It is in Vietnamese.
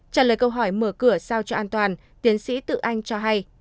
trả lời câu hỏi mở cửa sao cho an toàn tiến sĩ tự anh cho hay